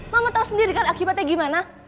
mama tahu sendiri kan akibatnya gimana